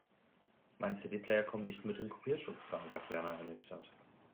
Mein CD-Player kommt nicht mit dem Kopierschutz klar, sagt Werner ernüchtert.